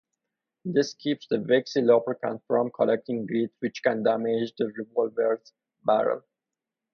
This keeps the waxy lubricant from collecting grit which can damage the revolver's barrel.